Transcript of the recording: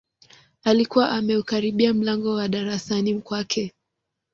Alikuwa ameukaribia mlango wa darasani kwake